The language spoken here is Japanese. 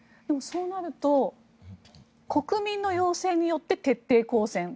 でも、そうなると国民の要請によって徹底抗戦。